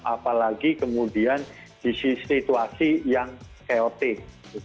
apalagi kemudian di situasi yang chaotik